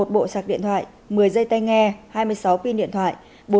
một mươi một bộ sạc điện thoại một mươi dây tay nghe hai mươi sáu pin điện thoại